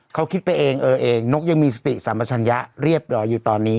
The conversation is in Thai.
เขาคิดไปเองเออเองนกยังมีสติสัมปชัญญะเรียบร้อยอยู่ตอนนี้